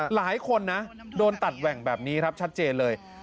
หลายคนนะโดนตัดแหว่งแบบนี้ครับชัดเจนเลย